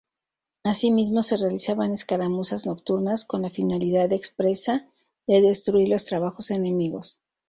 Asimismo se realizaban escaramuzas nocturnas con la finalidad expresa de destruir los trabajos enemigos.